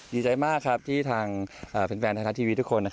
ดีใจมากที่ทางแฟนทะทะทีวีทุกคน